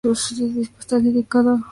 Todo el disco está dedicado a Víctor Jara.